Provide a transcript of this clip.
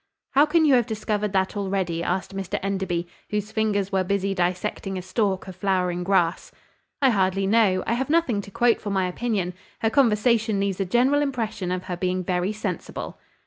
"How can you have discovered that already?" asked Mr Enderby, whose fingers were busy dissecting a stalk of flowering grass. "I hardly know; I have nothing to quote for my opinion. Her conversation leaves a general impression of her being very sensible."